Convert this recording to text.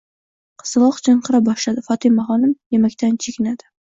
Qizaloq chinqira boshladi. Fotimaxonim yemaqdan chekinadi.